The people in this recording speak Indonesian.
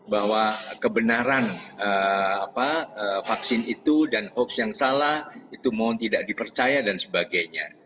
bahwa kebenaran vaksin itu dan hoax yang salah itu mohon tidak dipercaya dan sebagainya